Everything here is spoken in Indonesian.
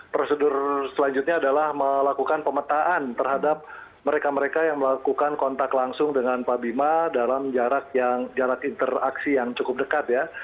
prosedur selanjutnya adalah melakukan pemetaan terhadap mereka mereka yang melakukan kontak langsung dengan pak bima dalam jarak interaksi yang cukup dekat ya